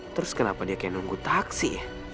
terus kenapa dia kayak nunggu taksi